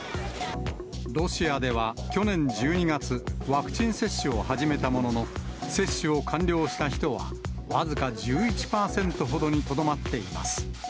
ロシアでは去年１２月、ワクチン接種を始めたものの、接種を完了した人は僅か１１％ほどにとどまっています。